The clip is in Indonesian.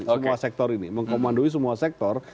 semua sektor ini mengkomandoi semua sektor